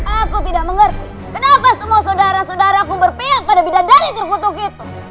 aku tidak mengerti kenapa semua saudara saudaraku berpihak pada bidan dari terkutukin